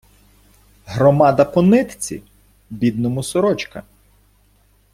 Громада по нитці — бідному сорочка.